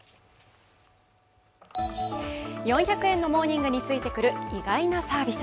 ４００円のモーニングについてくる意外なサービス。